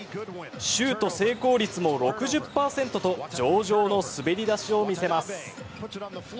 シュート成功率も６０％と上々の滑り出しを見せます。